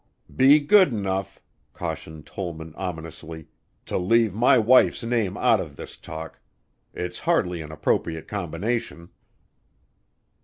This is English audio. "Be good enough," cautioned Tollman ominously, "to leave my wife's name out of this talk. It's hardly an appropriate combination."